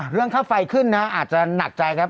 เรื่องค่าไฟขึ้นนะอาจจะหนักใจครับ